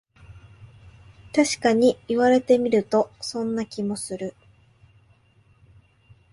たしかに言われてみると、そんな気もする